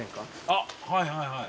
あっはいはいはい。